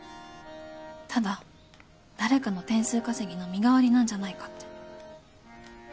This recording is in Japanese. ただ誰かの点数稼ぎの身代わりなんじゃないかって。